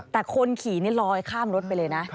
แต่คนขี่นี่ลอยข้ามรถไปเลยนะ